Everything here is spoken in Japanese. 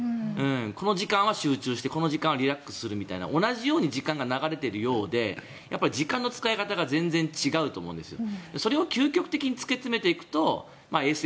この時間は集中してこの時間はリラックスするみたいな同じように時間が流れているようで時間の使い方が全然違うと思うんですよ。